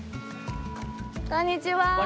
こんにちは！